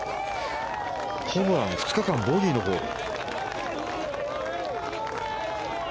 ホブラン２日間ボギーのホール。